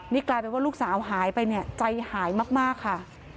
นี่กลายเป็นว่าลูกสาวหายไปเนี่ยใจหายมากค่ะ